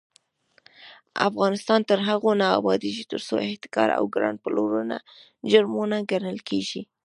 افغانستان تر هغو نه ابادیږي، ترڅو احتکار او ګران پلورنه جرم ونه ګڼل شي.